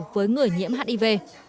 với người nhiễm hiv